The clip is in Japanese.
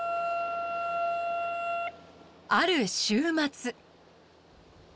ある週末。